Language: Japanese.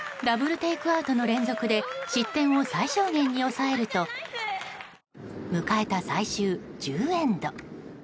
ダブルテイクアウトの連続で失点を最小限に抑えると迎えた最終１０エンド。